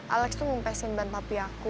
alex tuh mempesin ban papi aku